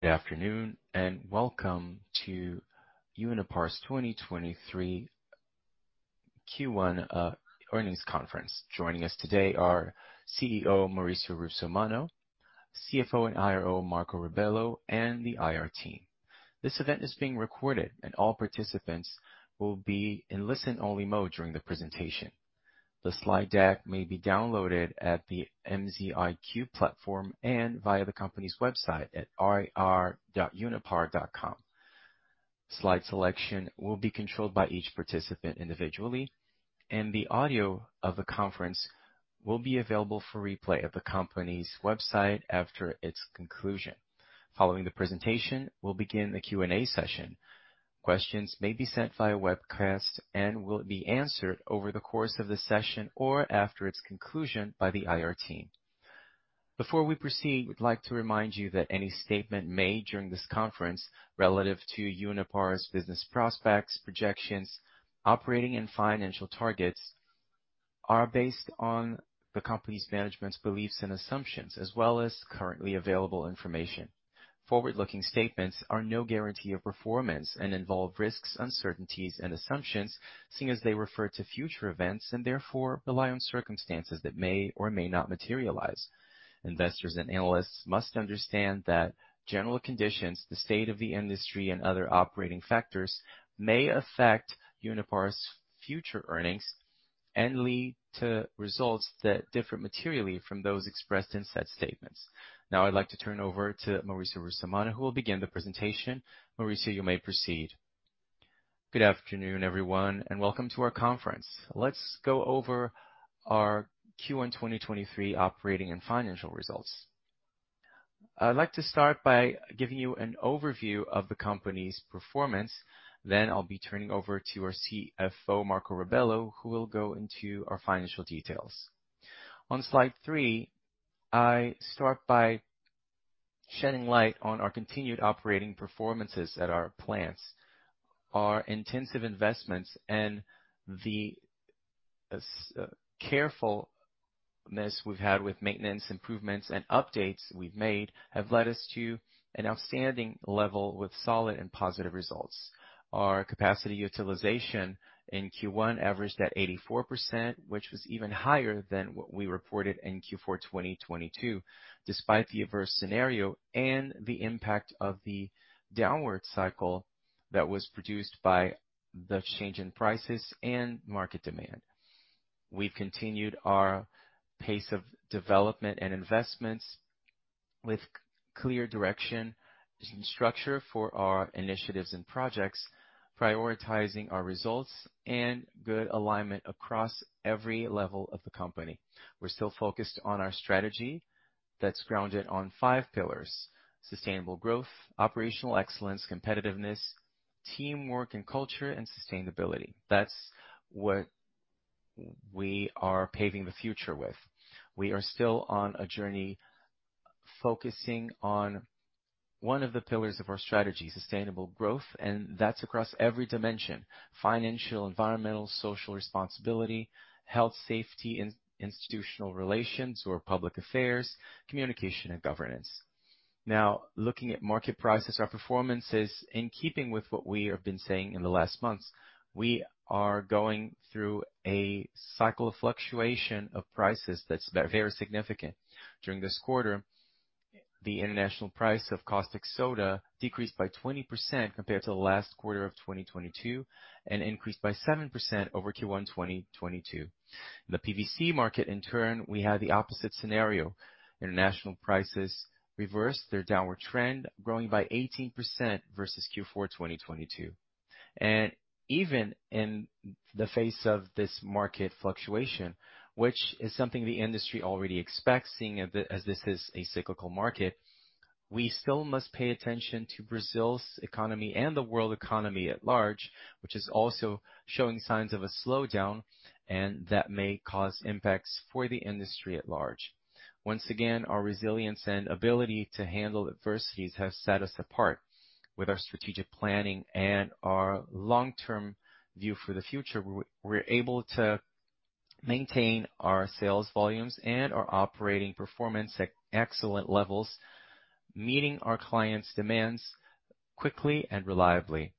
Good afternoon. Welcome to Unipar's 2023 Q1 earnings conference. Joining us today are CEO, Maurício Russomanno, CFO and IRO, Marco Rabelo, and the IR team. This event is being recorded. All participants will be in listen-only mode during the presentation. The slide deck may be downloaded at the MZiQ platform and via the company's website at ri.unipar.com. Slide selection will be controlled by each participant individually. The audio of the conference will be available for replay at the company's website after its conclusion. Following the presentation, we'll begin the Q&A session. Questions may be sent via webcast and will be answered over the course of the session or after its conclusion by the IR team. Before we proceed, we'd like to remind you that any statement made during this conference relative to Unipar's business prospects, projections, operating and financial targets are based on the company's management's beliefs and assumptions as well as currently available information. Forward-looking statements are no guarantee of performance and involve risks, uncertainties and assumptions, seeing as they refer to future events and therefore rely on circumstances that may or may not materialize. Investors and analysts must understand that general conditions, the state of the industry and other operating factors may affect Unipar's future earnings and lead to results that differ materially from those expressed in said statements. I'd like to turn over to Maurício Russomanno who will begin the presentation. Maurício, you may proceed. Good afternoon, everyone, and welcome to our conference. Let's go over our Q1 2023 operating and financial results. I'd like to start by giving you an overview of the company's performance, then I'll be turning over to our CFO, Marco Rabello, who will go into our financial details. On slide three, I start by shedding light on our continued operating performances at our plants. Our intensive investments and the carefulness we've had with maintenance improvements and updates we've made have led us to an outstanding level with solid and positive results. Our capacity utilization in Q1 averaged at 84%, which was even higher than what we reported in Q4 2022, despite the adverse scenario and the impact of the downward cycle that was produced by the change in prices and market demand. We've continued our pace of development and investments with clear direction and structure for our initiatives and projects, prioritizing our results and good alignment across every level of the company. We're still focused on our strategy that's grounded on five pillars: sustainable growth, operational excellence, competitiveness, teamwork and culture, and sustainability. That's what we are paving the future with. We are still on a journey focusing on one of the pillars of our strategy, sustainable growth, and that's across every dimension. Financial, environmental, social responsibility, health, safety, institutional relations or public affairs, communication and governance. Looking at market prices or performances in keeping with what we have been saying in the last months, we are going through a cycle of fluctuation of prices that's very significant. During this quarter, the international price of caustic soda decreased by 20% compared to the last quarter of 2022 and increased by 7% over Q1 2022. The PVC market in turn, we had the opposite scenario. International prices reversed their downward trend, growing by 18% versus Q4 2022. Even in the face of this market fluctuation, which is something the industry already expects, as this is a cyclical market, we still must pay attention to Brazil's economy and the world economy at large, which is also showing signs of a slowdown and that may cause impacts for the industry at large. Once again, our resilience and ability to handle adversities have set us apart. With our strategic planning and our long-term view for the future, we're able to maintain our sales volumes and our operating performance at excellent levels, meeting our clients' demands quickly and reliably.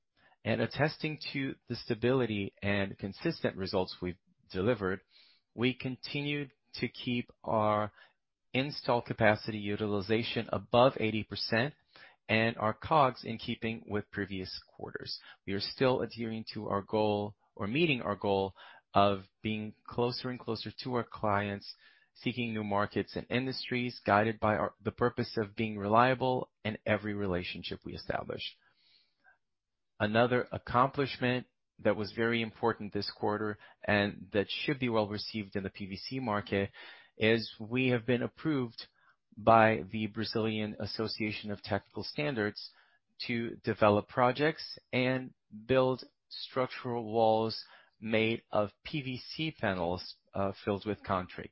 Attesting to the stability and consistent results we've delivered, we continued to keep our install capacity utilization above 80% and our COGS in keeping with previous quarters. We are still adhering to our goal or meeting our goal of being closer and closer to our clients, seeking new markets and industries, guided by our purpose of being reliable in every relationship we establish. Another accomplishment that was very important this quarter and that should be well-received in the PVC market is we have been approved by the Brazilian Association of Technical Standards to develop projects and build structural walls made of PVC panels, filled with concrete.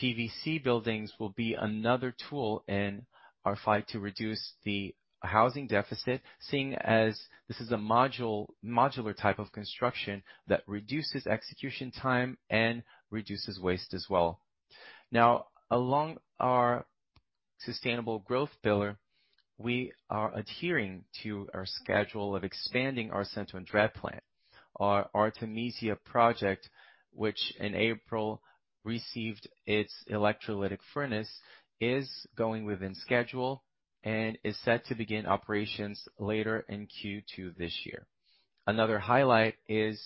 PVC buildings will be another tool in our fight to reduce the housing deficit, seeing as this is a modular type of construction that reduces execution time and reduces waste as well. Along our Sustainable growth pillar, we are adhering to our schedule of expanding our Santo André plant. Our Projeto Ártemis, which in April received its electrolytic furnace, is going within schedule and is set to begin operations later in Q2 this year. Another highlight is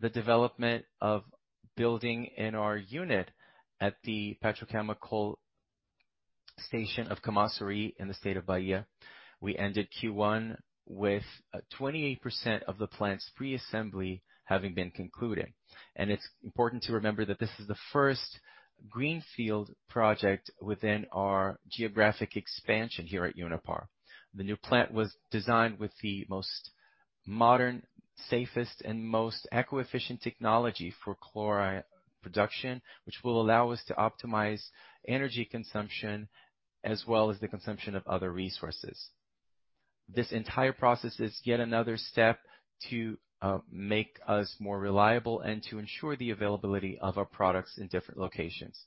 the development of building in our unit at the petrochemical station of Camaçari in the state of Bahia. We ended Q1 with 28% of the plant's pre-assembly having been concluded. It's important to remember that this is the first greenfield project within our geographic expansion here at Unipar. The new plant was designed with the most modern, safest, and most eco-efficient technology for chlorine production, which will allow us to optimize energy consumption as well as the consumption of other resources. This entire process is yet another step to make us more reliable and to ensure the availability of our products in different locations.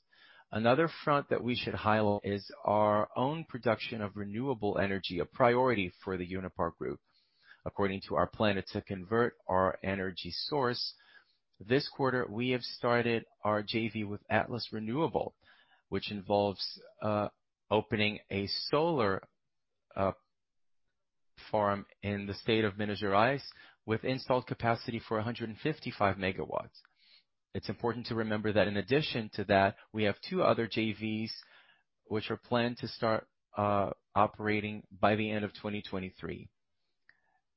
Another front that we should highlight is our own production of renewable energy, a priority for the Unipar Group. According to our plan to convert our energy source, this quarter we have started our JV with Atlas Renewable, which involves opening a solar farm in the state of Minas Gerais with installed capacity for 155 megawatts. It's important to remember that in addition to that, we have two other JVs which are planned to start operating by the end of 2023.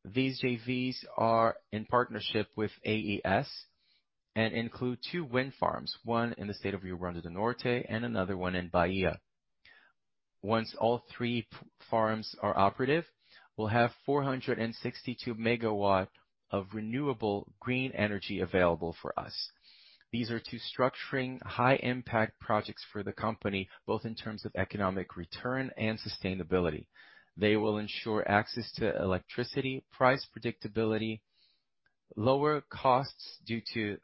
These JVs are in partnership with AES and include two wind farms, one in the state of Rio Grande do Norte and another one in Bahia. Once all three farms are operative, we'll have 462 megawatts of renewable green energy available for us. These are two structuring high-impact projects for the company, both in terms of economic return and sustainability. They will ensure access to electricity, price predictability, lower costs due to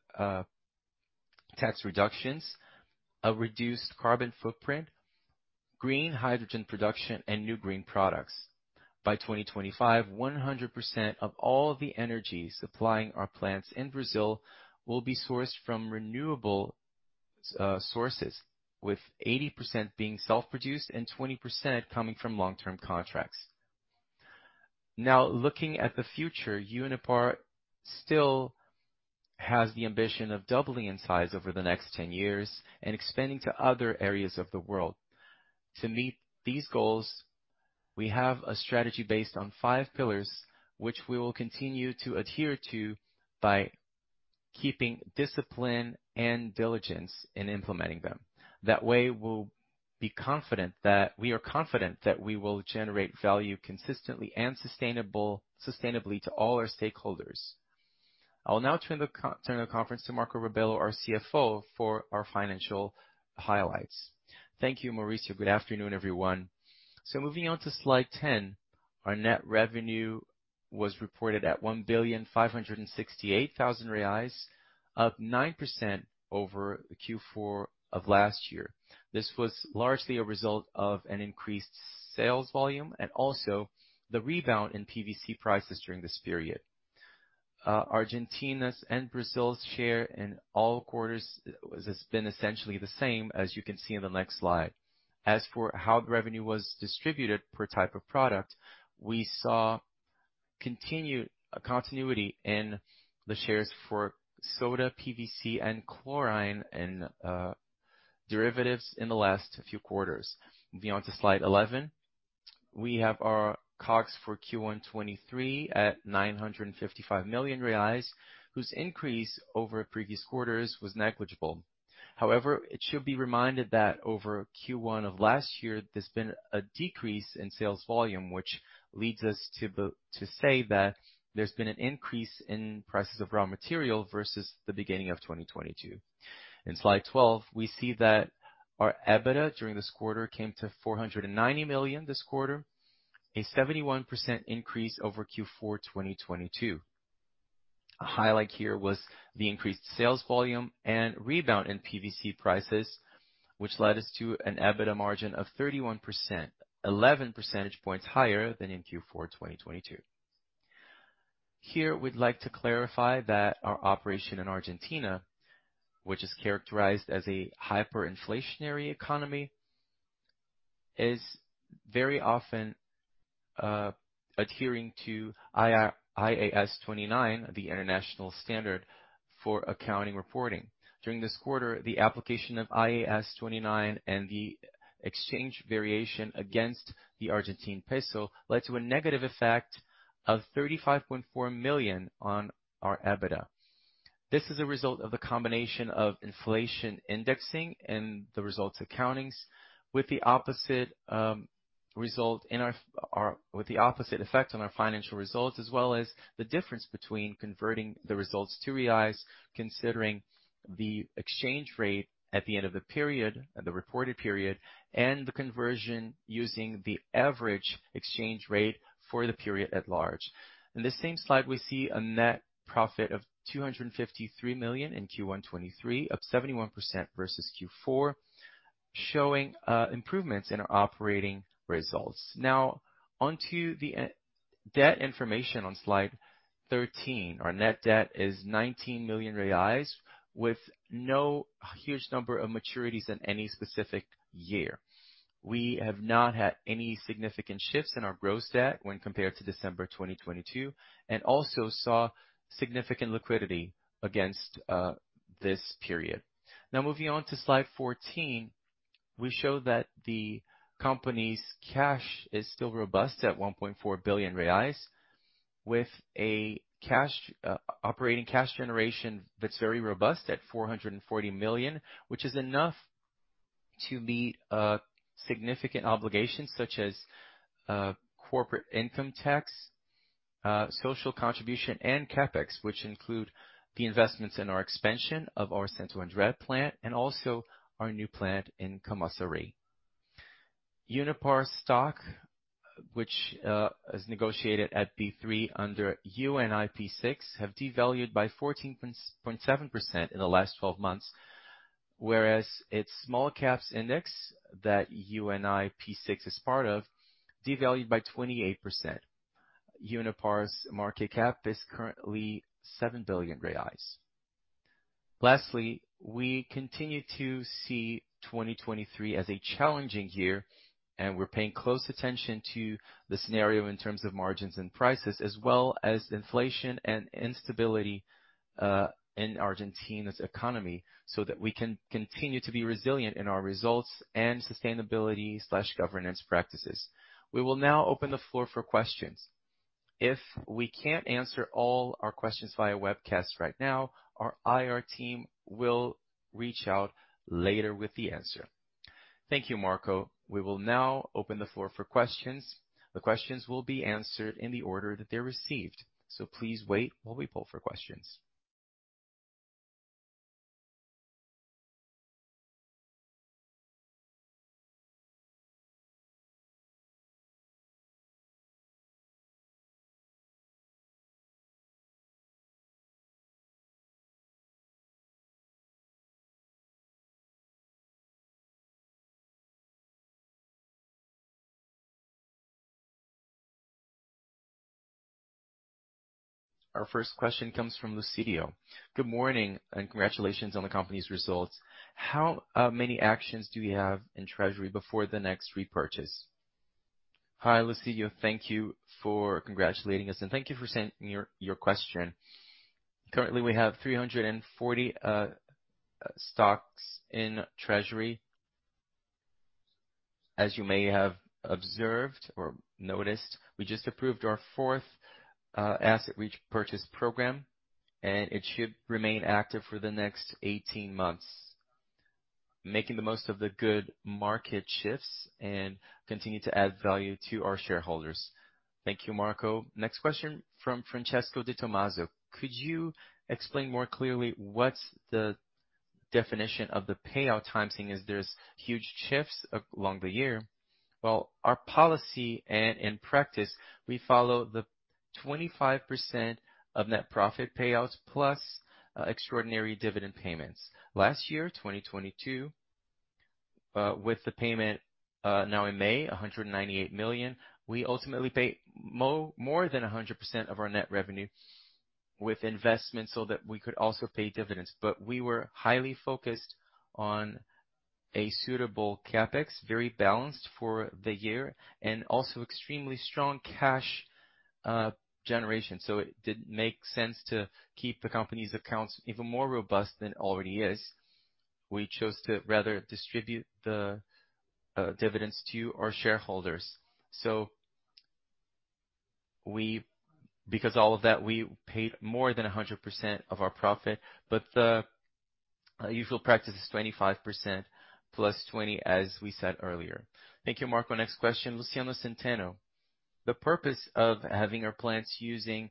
tax reductions, a reduced carbon footprint, green hydrogen production, and new green products. By 2025, 100% of all the energy supplying our plants in Brazil will be sourced from renewable sources, with 80% being self-produced and 20% coming from long-term contracts. Looking at the future, Unipar still has the ambition of doubling in size over the next 10 years and expanding to other areas of the world. To meet these goals, we have a strategy based on five pillars, which we will continue to adhere to by keeping discipline and diligence in implementing them. That way, we are confident that we will generate value consistently and sustainably to all our stakeholders. I'll now turn the conference to Marco Rabello, our CFO, for our financial highlights. Thank you, Mauricio. Good afternoon, everyone. Moving on to slide 10. Our net revenue was reported at 1,568,000 reais, up 9% over Q4 of last year. This was largely a result of an increased sales volume and also the rebound in PVC prices during this period. Argentina's and Brazil's share in all quarters has been essentially the same, as you can see in the next slide. As for how the revenue was distributed per type of product, we saw continuity in the shares for soda, PVC, and chlorine and derivatives in the last few quarters. Moving on to slide 11. We have our COGS for Q1 '23 at 955 million reais, whose increase over previous quarters was negligible. It should be reminded that over Q1 of last year, there's been a decrease in sales volume, which leads us to say that there's been an increase in prices of raw material versus the beginning of 2022. In slide 12, we see that our EBITDA during this quarter came to 490 million this quarter, a 71% increase over Q4 2022. A highlight here was the increased sales volume and rebound in PVC prices, which led us to an EBITDA margin of 31%, 11 percentage points higher than in Q4 2022. Here, we'd like to clarify that our operation in Argentina, which is characterized as a hyperinflationary economy, is very often adhering to IAS 29, the International Standard for Accounting Reporting. During this quarter, the application of IAS 29 and the exchange variation against the ARS led to a negative effect of 35.4 million on our EBITDA. This is a result of the combination of inflation indexing and the results accountings with the opposite effect on our financial results, as well as the difference between converting the results to BRL, considering the exchange rate at the end of the period, the reported period, and the conversion using the average exchange rate for the period at large. In this same slide, we see a net profit of 253 million in Q1 2023, up 71% versus Q4, showing improvements in our operating results. On to the e-Debt information on slide 13. Our net debt is 19 million reais, with no huge number of maturities in any specific year. We have not had any significant shifts in our gross debt when compared to December 2022, and also saw significant liquidity against this period. Now, moving on to slide 14, we show that the company's cash is still robust at 1.4 billion reais, with operating cash generation that's very robust at 440 million, which is enough to meet significant obligations such as corporate income tax, social contribution, and CapEx, which include the investments in our expansion of our Santo André plant and also our new plant in Camaçari. Unipar stock, which is negotiated at B3 under UNIP6, have devalued by 14.7% in the last 12 months, whereas its Small Cap Index that UNIP6 is part of devalued by 28%. Unipar's market cap is currently 7 billion reais. Lastly, we continue to see 2023 as a challenging year. We're paying close attention to the scenario in terms of margins and prices, as well as inflation and instability in Argentina's economy, so that we can continue to be resilient in our results and sustainability slash governance practices. We will now open the floor for questions. If we can't answer all our questions via webcast right now, our IR team will reach out later with the answer. Thank you, Marco Rabelo. We will now open the floor for questions. The questions will be answered in the order that they're received. Please wait while we poll for questions. Our first question comes from Luiz Carvalho. Good morning. Congratulations on the company's results. How many actions do you have in treasury before the next repurchase? Hi, Luiz Carvalho. Thank you for congratulating us. Thank you for sending your question. Currently, we have 340 stocks in treasury. As you may have observed or noticed, we just approved our fourth asset repurchase program. It should remain active for the next 18 months, making the most of the good market shifts and continue to add value to our shareholders. Thank you, Marco. Next question from Francesco Di Giorgio. Could you explain more clearly what's the definition of the payout timing, as there's huge shifts along the year? Well, our policy and in practice, we follow the 25% of net profit payouts plus extraordinary dividend payments. Last year, 2022, with the payment, now in May, 198 million, we ultimately paid more than 100% of our net revenue with investments so that we could also pay dividends. We were highly focused on a suitable CapEx, very balanced for the year, and also extremely strong cash generation. It did make sense to keep the company's accounts even more robust than it already is. We chose to rather distribute the dividends to our shareholders. Because all of that, we paid more than 100% of our profit, but the usual practice is 25% plus 20, as we said earlier. Thank you, Marco. Next question, Luciano Centeno. The purpose of having our plants using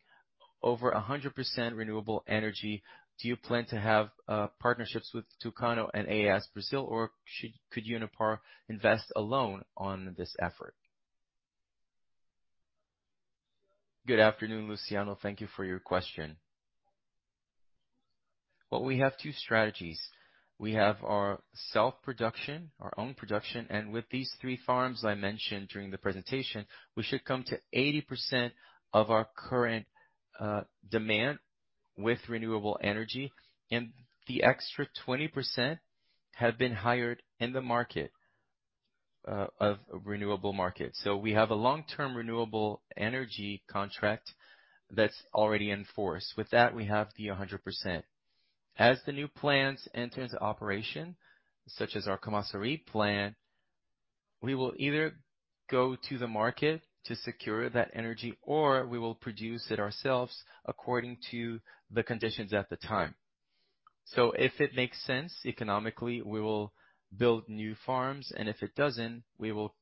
over 100% renewable energy, do you plan to have partnerships with Tucano and AES Brasil, or could Unipar invest alone on this effort? Good afternoon, Luciano. Thank you for your question. Well, we have two strategies. We have our self-production, our own production, and with these three farms I mentioned during the presentation, we should come to 80% of our current demand with renewable energy. The extra 20% have been hired in the market of renewable market. We have a long-term renewable energy contract that's already in force. With that, we have the 100%. As the new plants enter into operation, such as our Camaçari plant, we will either go to the market to secure that energy or we will produce it ourselves according to the conditions at the time. If it makes sense economically, we will build new farms, and if it doesn't, we will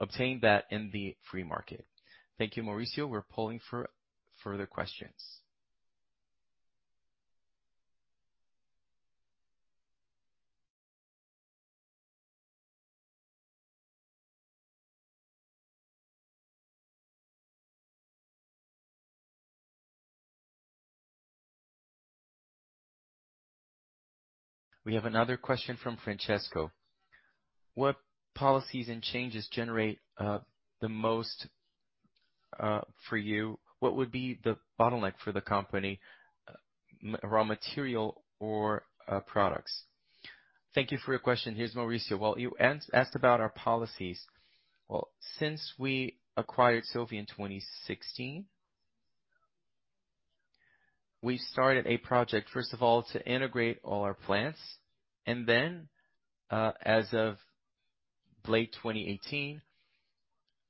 obtain that in the free market. Thank you, Maurício Russomanno. We're polling for further questions. We have another question from Francesco Di Giorgio. What policies and changes generate the most for you? What would be the bottleneck for the company, raw material or products? Thank you for your question. Here's Maurício Russomanno. Well, you asked about our policies. Well, since we acquired Solvay in 2016, we started a project, first of all, to integrate all our plants. As of late 2018,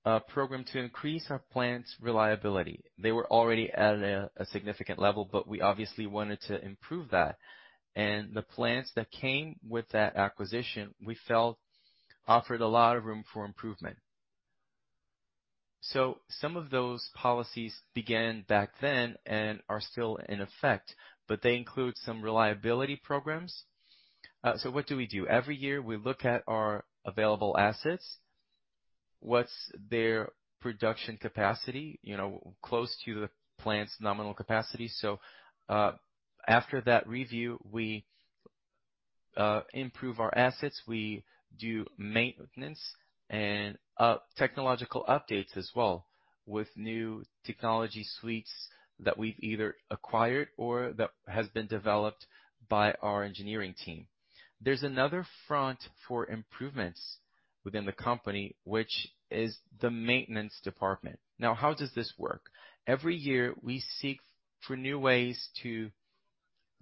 a program to increase our plants' reliability. They were already at a significant level, but we obviously wanted to improve that. The plants that came with that acquisition, we felt offered a lot of room for improvement. Some of those policies began back then and are still in effect, but they include some reliability programs. What do we do? Every year, we look at our available assets, what's their production capacity, you know, close to the plant's nominal capacity. After that review, we improve our assets. We do maintenance and technological updates as well with new technology suites that we've either acquired or that has been developed by our engineering team. There's another front for improvements within the company, which is the maintenance department. How does this work? Every year, we seek for new ways to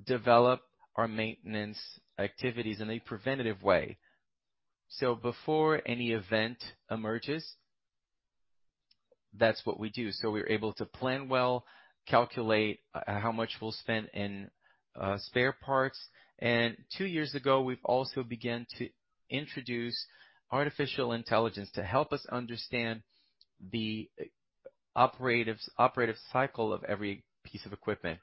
develop our maintenance activities in a preventative way. Before any event emerges, that's what we do. We're able to plan well, calculate how much we'll spend in spare parts. Two years ago, we've also began to introduce artificial intelligence to help us understand the operative cycle of every piece of equipment.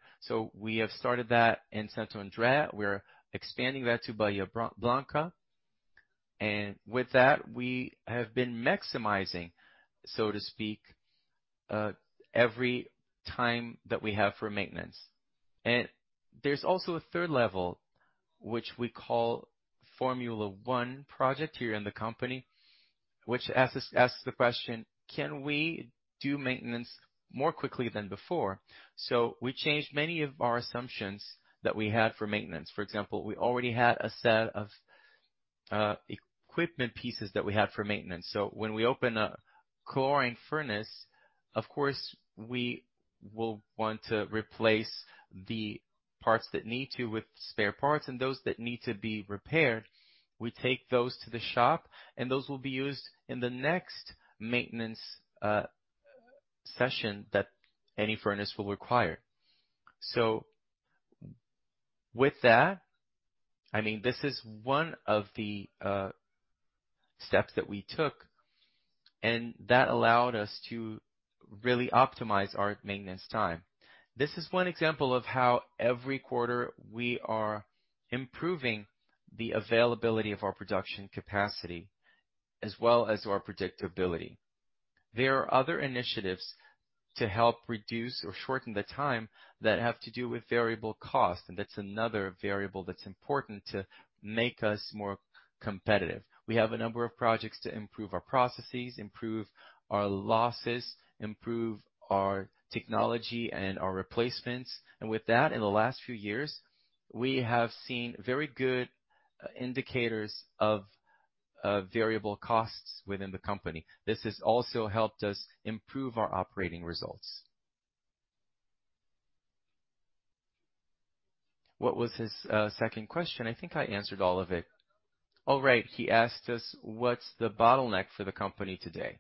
We have started that in Santo André. We're expanding that to Bahía Blanca. With that, we have been maximizing, so to speak, every time that we have for maintenance. There's also a third level, which we call Formula One project here in the company, which asks the question, "Can we do maintenance more quickly than before?" We changed many of our assumptions that we had for maintenance. For example, we already had a set of equipment pieces that we had for maintenance. When we open a chlorine furnace, of course, we will want to replace the parts that need to with spare parts and those that need to be repaired, we take those to the shop, and those will be used in the next maintenance session that any furnace will require. With that, I mean, this is one of the steps that we took, and that allowed us to really optimize our maintenance time. This is one example of how every quarter we are improving the availability of our production capacity as well as our predictability. There are other initiatives to help reduce or shorten the time that have to do with variable cost, and that's another variable that's important to make us more competitive. We have a number of projects to improve our processes, improve our losses, improve our technology and our replacements. With that, in the last few years, we have seen very good indicators of variable costs within the company. This has also helped us improve our operating results. What was his second question? I think I answered all of it. Oh, right. He asked us, what's the bottleneck for the company today?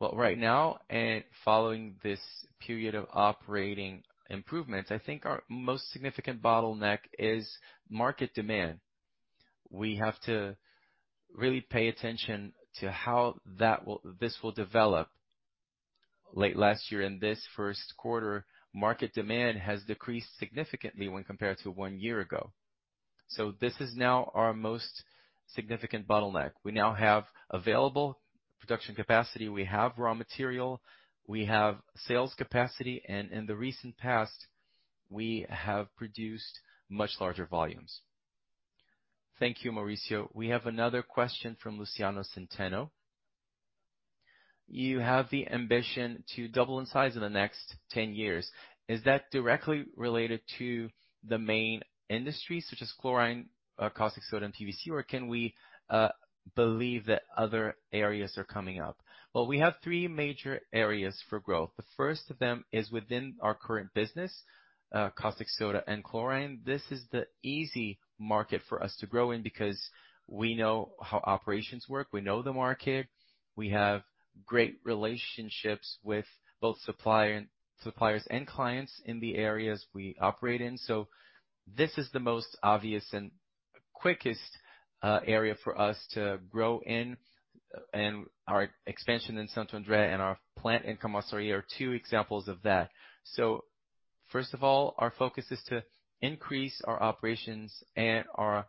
Well, right now and following this period of operating improvements, I think our most significant bottleneck is market demand. We have to really pay attention to how this will develop. Late last year and this first quarter, market demand has decreased significantly when compared to one year ago. This is now our most significant bottleneck. We now have available production capacity. We have raw material. We have sales capacity. In the recent past, we have produced much larger volumes. Thank you, Maurício. We have another question from Luciano Centeno. You have the ambition to double in size in the next 10 years. Is that directly related to the main industries such as chlorine, caustic soda, and PVC, or can we believe that other areas are coming up? We have three major areas for growth. The first of them is within our current business, caustic soda and chlorine. This is the easy market for us to grow in because we know how operations work. We know the market. We have great relationships with both suppliers and clients in the areas we operate in. This is the most obvious and quickest area for us to grow in. Our expansion in Santo André and our plant in Camaçari are two examples of that. First of all, our focus is to increase our operations and our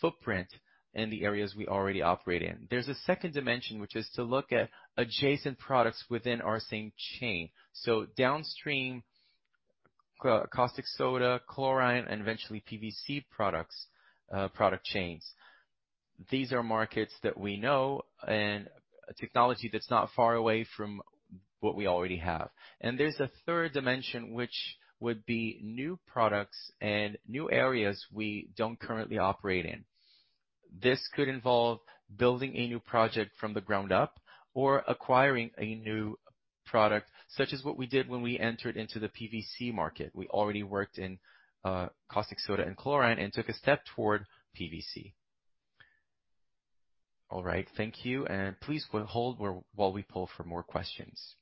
footprint in the areas we already operate in. There's a second dimension, which is to look at adjacent products within our same chain. Downstream caustic soda, chlorine, and eventually PVC products, product chains. These are markets that we know and technology that's not far away from what we already have. There's a third dimension, which would be new products and new areas we don't currently operate in. This could involve building a new project from the ground up or acquiring a new product, such as what we did when we entered into the PVC market. We already worked in caustic soda and chlorine and took a step toward PVC. All right, thank you. Please hold while we poll for more questions.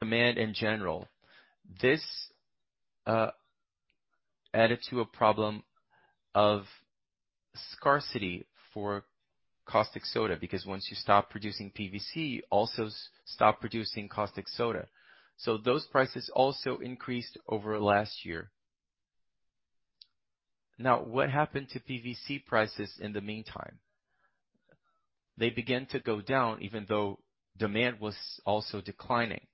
Demand in general, this added to a problem of scarcity for caustic soda, because once you stop producing PVC, you also stop producing caustic soda. Those prices also increased over last year. What happened to PVC prices in the meantime? They began to go down, even though demand was also declining.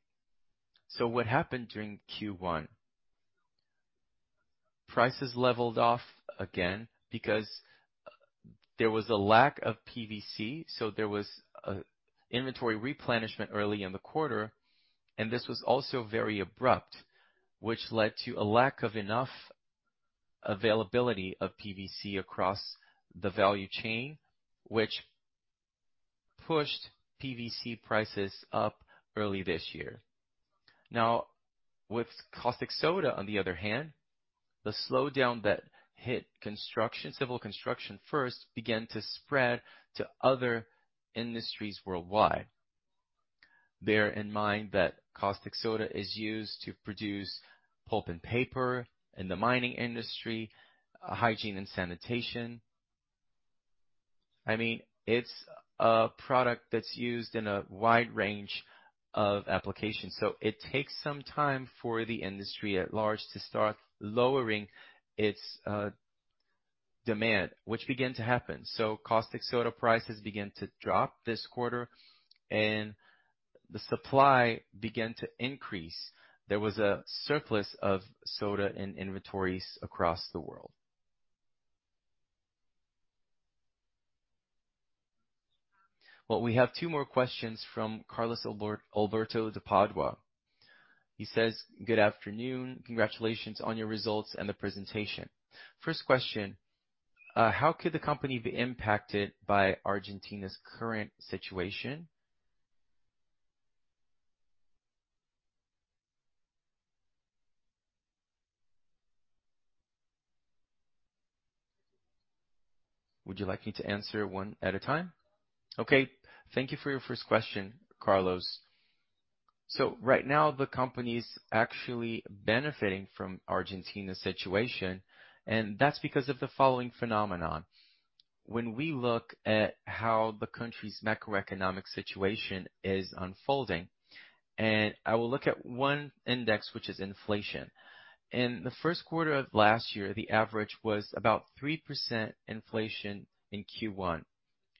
What happened during Q1? Prices leveled off again because there was a lack of PVC. There was a inventory replenishment early in the quarter, and this was also very abrupt, which led to a lack of enough availability of PVC across the value chain, which pushed PVC prices up early this year. With caustic soda, on the other hand, the slowdown that hit construction, civil construction first began to spread to other industries worldwide. Bear in mind that caustic soda is used to produce pulp and paper in the mining industry, hygiene and sanitation. I mean, it's a product that's used in a wide range of applications, it takes some time for the industry at large to start lowering its demand, which began to happen. caustic soda prices began to drop this quarter, and the supply began to increase. There was a surplus of soda in inventories across the world. We have two more questions from Carlos De Biasi. He says, "Good afternoon. Congratulations on your results and the presentation. First question, how could the company be impacted by Argentina's current situation?" Would you like me to answer one at a time? Okay. Thank you for your first question, Carlos. Right now, the company is actually benefiting from Argentina's situation, and that's because of the following phenomenon. When we look at how the country's macroeconomic situation is unfolding, and I will look at one index, which is inflation. In the first quarter of last year, the average was about 3% inflation in Q one.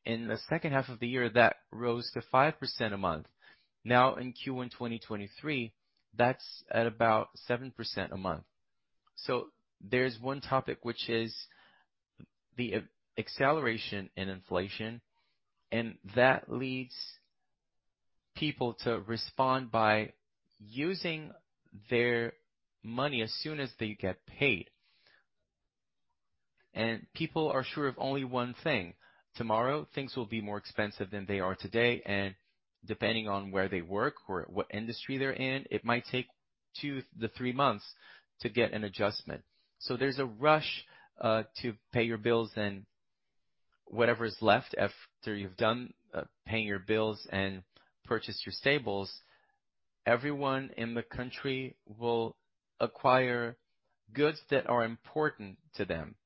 In the second half of the year, that rose to 5% a month. Now, in Q one 2023, that's at about 7% a month. There's one topic which is the acceleration in inflation, and that leads people to respond by using their money as soon as they get paid. People are sure of only one thing, tomorrow things will be more expensive than they are today, and depending on where they work or what industry they're in, it might take 2 to 3 months to get an adjustment. There's a rush to pay your bills. Whatever is left after you've done paying your bills and purchased your staples, everyone in the country will acquire goods that are important to them,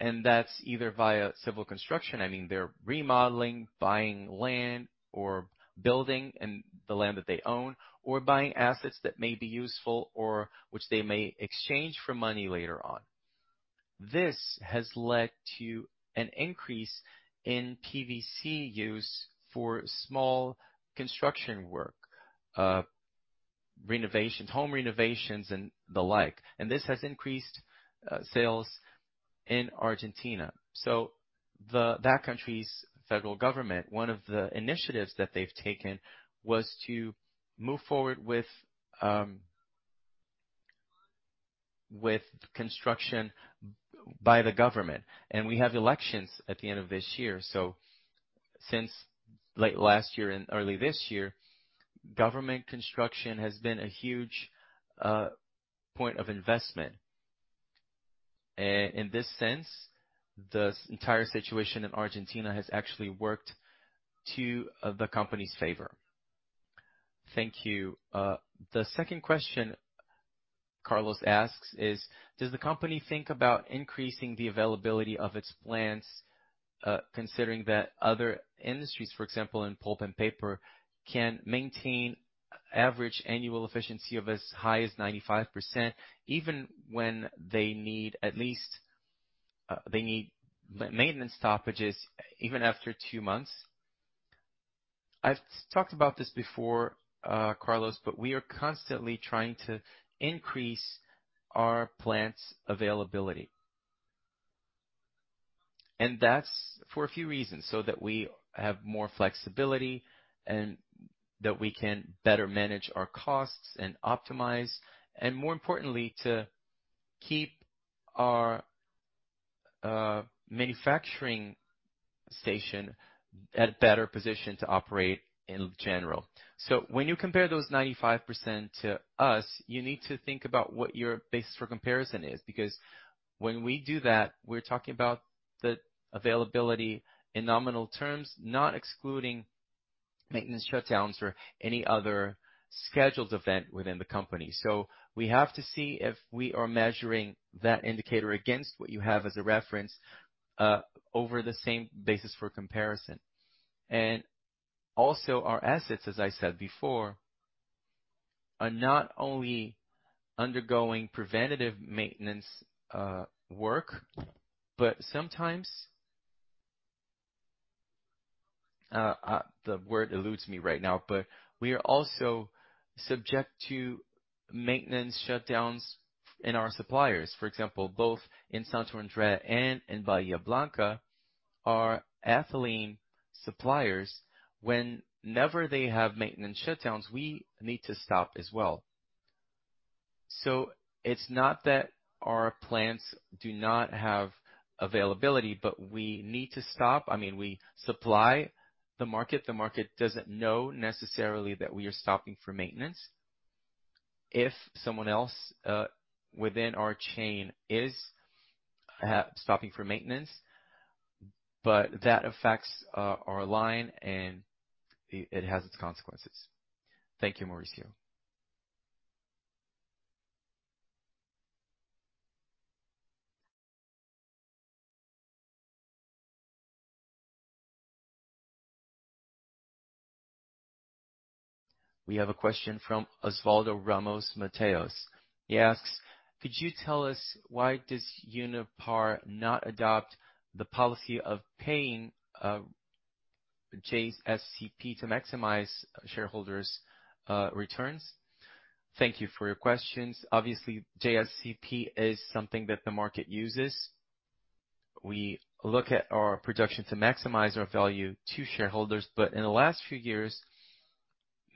I mean, that's either via civil construction, they're remodeling, buying land or building in the land that they own, or buying assets that may be useful or which they may exchange for money later on. This has led to an increase in PVC use for small construction work, renovations, home renovations and the like. This has increased sales in Argentina. That country's federal government, one of the initiatives that they've taken was to move forward with construction by the government. We have elections at the end of this year. Since late last year and early this year, government construction has been a huge point of investment. In this sense, the entire situation in Argentina has actually worked to the company's favor. Thank you. The second question Carlos asks is, does the company think about increasing the availability of its plants, considering that other industries, for example, in pulp and paper, can maintain average annual efficiency of as high as 95%, even when they need at least, they need maintenance stoppages even after two months? I've talked about this before, Carlos, we are constantly trying to increase our plants' availability. That's for a few reasons. We have more flexibility and that we can better manage our costs and optimize, and more importantly, to keep our manufacturing station at a better position to operate in general. When you compare those 95% to us, you need to think about what your basis for comparison is. When we do that, we're talking about the availability in nominal terms, not excluding maintenance shutdowns or any other scheduled event within the company. We have to see if we are measuring that indicator against what you have as a reference, over the same basis for comparison. Also our assets, as I said before, are not only undergoing preventative maintenance work, but sometimes, the word eludes me right now, but we are also subject to maintenance shutdowns in our suppliers. For example, both in Santo André and in Bahía Blanca, our ethylene suppliers, whenever they have maintenance shutdowns, we need to stop as well. It's not that our plants do not have availability, but we need to stop. I mean, we supply the market. The market doesn't know necessarily that we are stopping for maintenance. If someone else within our chain is stopping for maintenance, that affects our line and it has its consequences. Thank you, Mauricio. We have a question from Osvaldo Ramos Mateos. He asks, "Could you tell us why does Unipar not adopt the policy of paying JSCP to maximize shareholders' returns?" Thank you for your questions. Obviously, JSCP is something that the market uses. We look at our production to maximize our value to shareholders. In the last few years,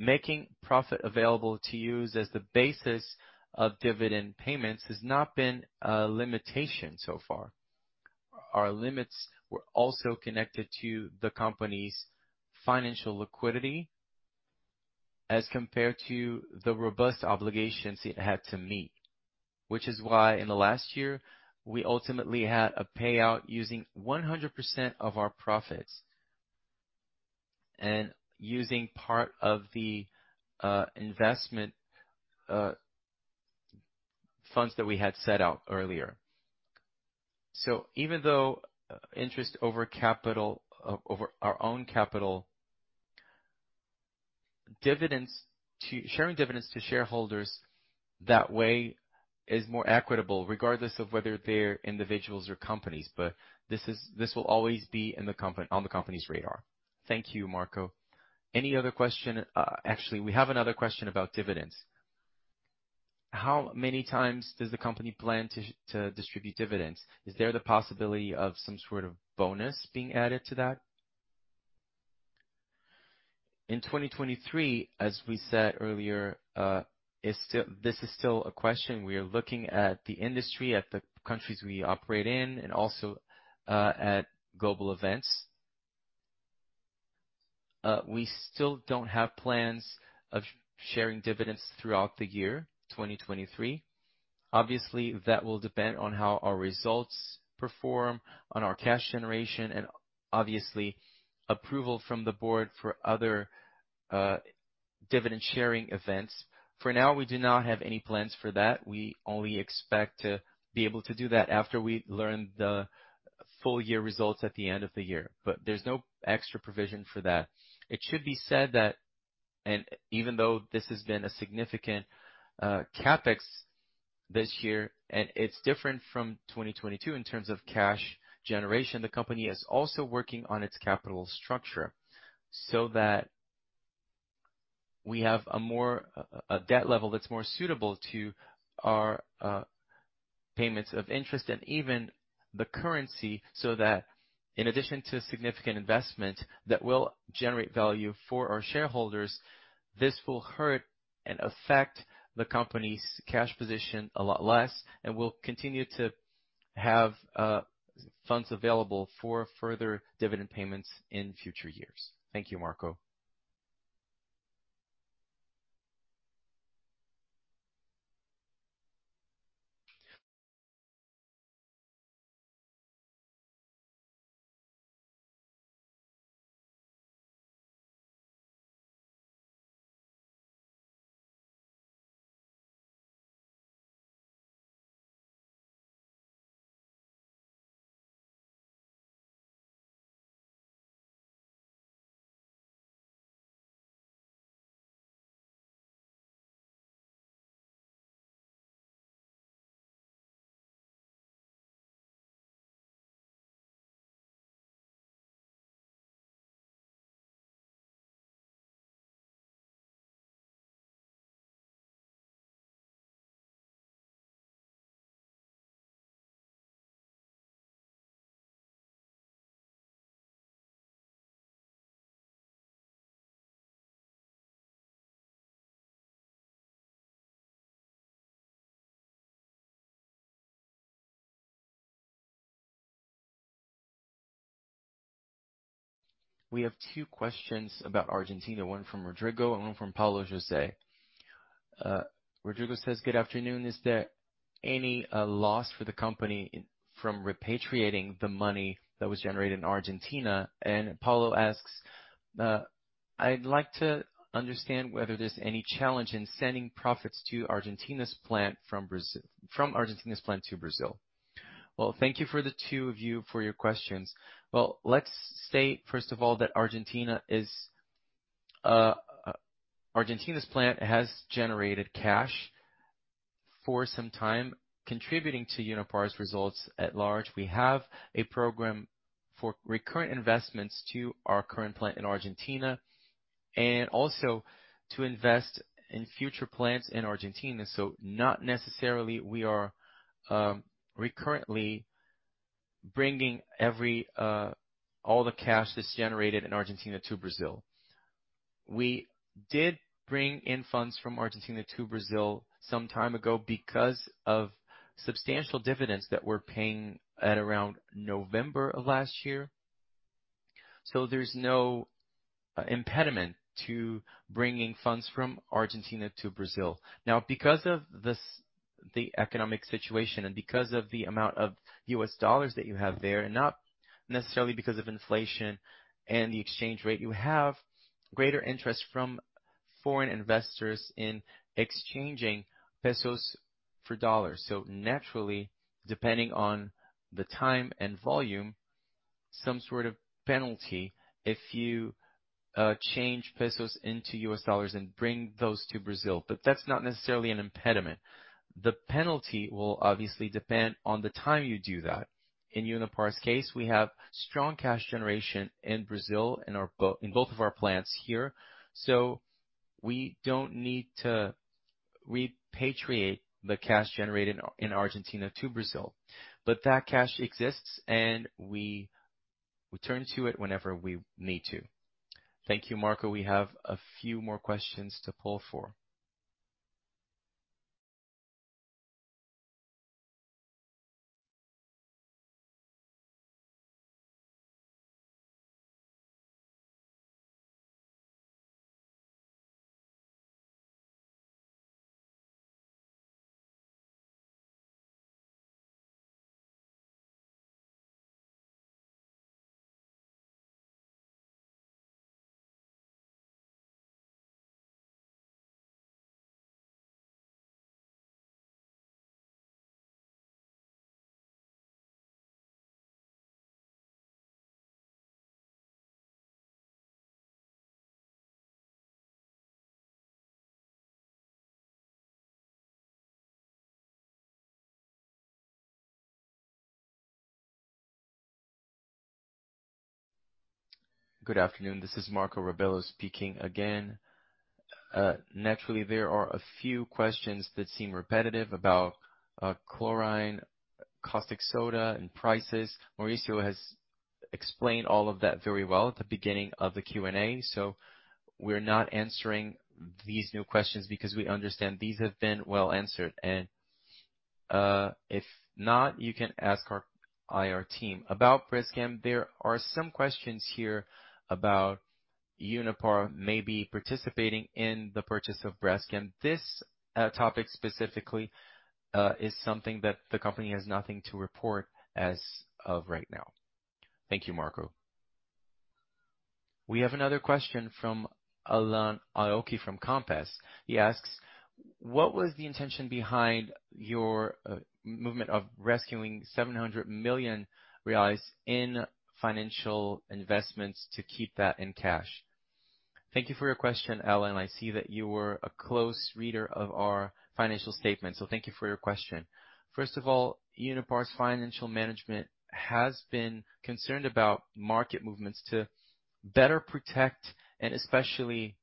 making profit available to use as the basis of dividend payments has not been a limitation so far. Our limits were also connected to the company's financial liquidity as compared to the robust obligations it had to meet. In the last year, we ultimately had a payout using 100% of our profits and using part of the investment funds that we had set out earlier. Even though interest over capital, over our own capital, sharing dividends to shareholders that way is more equitable regardless of whether they're individuals or companies. This will always be on the company's radar. Thank you, Marco. Any other question? We have another question about dividends. How many times does the company plan to distribute dividends? Is there the possibility of some sort of bonus being added to that? In 2023, as we said earlier, this is still a question. We are looking at the industry, at the countries we operate in, and also at global events. We still don't have plans of sharing dividends throughout the year, 2023. Obviously, that will depend on how our results perform on our cash generation and obviously approval from the Board for other dividend sharing events. For now, we do not have any plans for that. We only expect to be able to do that after we learn the full year results at the end of the year. There's no extra provision for that. It should be said that, even though this has been a significant CapEx this year, and it's different from 2022 in terms of cash generation, the company is also working on its capital structure so that we have a more, a debt level that's more suitable to our, payments of interest and even the currency, so that in addition to significant investment that will generate value for our shareholders, this will hurt and affect the company's cash position a lot less, and we'll continue to have, funds available for further dividend payments in future years. Thank you, Marco. We have two questions about Argentina, one from Rodrigo and one from Paulo Jose. Rodrigo says, "Good afternoon. Is there any loss for the company from repatriating the money that was generated in Argentina? Paulo asks, "I'd like to understand whether there's any challenge in sending profits to Argentina's plant from Argentina's plant to Brazil." Thank you for the two of you for your questions. Let's state, first of all, that Argentina's plant has generated cash for some time, contributing to Unipar's results at large. We have a program for recurrent investments to our current plant in Argentina and also to invest in future plants in Argentina. Not necessarily we are recurrently bringing every all the cash that's generated in Argentina to Brazil. We did bring in funds from Argentina to Brazil some time ago because of substantial dividends that we're paying at around November of last year. There's no impediment to bringing funds from Argentina to Brazil. Because of the economic situation and because of the amount of U.S. dollars that you have there, not necessarily because of inflation and the exchange rate, you have greater interest from foreign investors in exchanging pesos for dollars. Naturally, depending on the time and volume, some sort of penalty if you change pesos into U.S. dollars and bring those to Brazil, but that's not necessarily an impediment. The penalty will obviously depend on the time you do that. In Unipar's case, we have strong cash generation in Brazil in both of our plants here. We don't need to repatriate the cash generated in Argentina to Brazil. That cash exists and we turn to it whenever we need to. Thank you, Marco. We have a few more questions to pull for. Good afternoon. This is Marco Rabelo speaking again. Naturally, there are a few questions that seem repetitive about chlorine, caustic soda and prices. Maurício has explained all of that very well at the beginning of the Q&A. We're not answering these new questions because we understand these have been well answered. If not, you can ask our IR team. About Braskem, there are some questions here about Unipar maybe participating in the purchase of Braskem. This topic specifically is something that the company has nothing to report as of right now. Thank you, Marco. We have another question from Alan Aoki from Compass. He asks, "What was the intention behind your movement of rescuing 700 million reais in financial investments to keep that in cash?" Thank you for your question, Alan. I see that you were a close reader of our financial statement, so thank you for your question. First of all, Unipar's financial management has been concerned about market movements to better protect and especially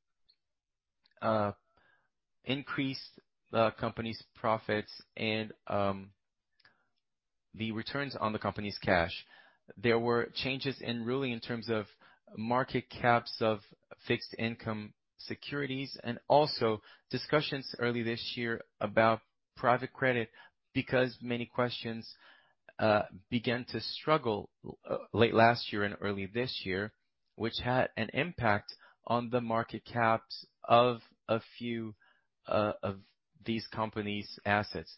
increase the company's profits and the returns on the company's cash. There were changes in ruling in terms of market caps of fixed income securities, and also discussions early this year about private credit, because many questions began to struggle late last year and early this year, which had an impact on the market caps of a few of these companies' assets.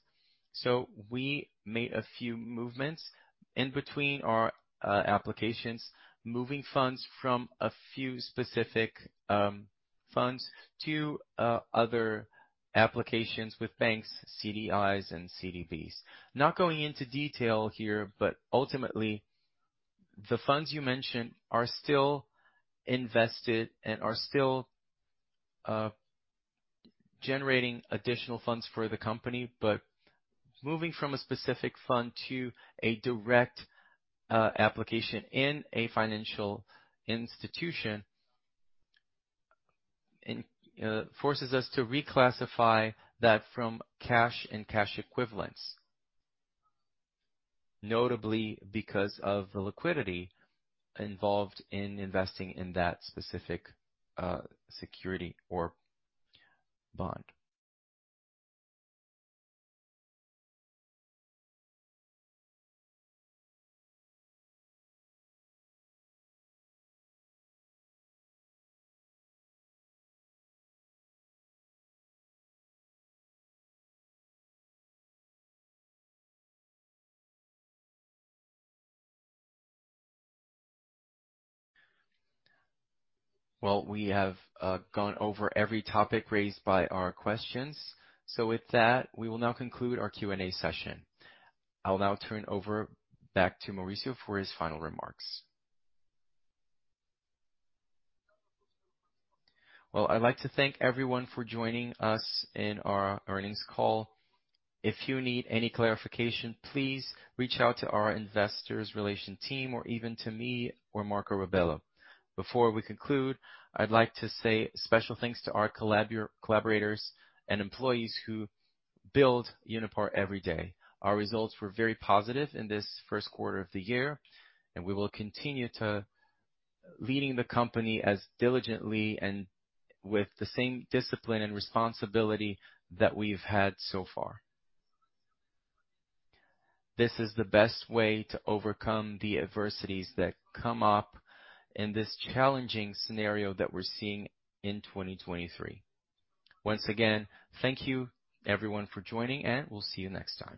We made a few movements in between our applications, moving funds from a few specific funds to other applications with banks, CDIs and CDBs. Not going into detail here, but ultimately, the funds you mentioned are still invested and are still generating additional funds for the company. Moving from a specific fund to a direct application in a financial institution, it forces us to reclassify that from cash and cash equivalents, notably because of the liquidity involved in investing in that specific security or bond. We have gone over every topic raised by our questions. With that, we will now conclude our Q&A session. I'll now turn over back to Maurício for his final remarks. I'd like to thank everyone for joining us in our earnings call. If you need any clarification, please reach out to our Investor Relations team or even to me or Marco Rabelo. Before we conclude, I'd like to say special thanks to our collaborators and employees who build Unipar every day. Our results were very positive in this first quarter of the year, and we will continue to leading the company as diligently and with the same discipline and responsibility that we've had so far. This is the best way to overcome the adversities that come up in this challenging scenario that we're seeing in 2023. Once again, thank you everyone for joining, and we'll see you next time.